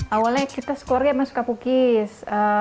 awalnya kita sekeluarga emang suka pukis